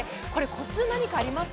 コツは何かあります？